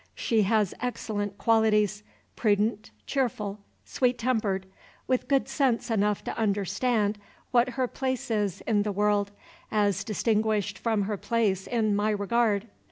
She has excellent qualities prudent, cheerful, sweet tempered; with good sense enough to understand what her place is in the world, as distinguished from her place in my regard.